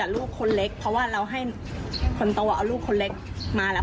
ลูกคนเล็กเพราะว่าเราให้คนโตเอาลูกคนเล็กมาแล้ว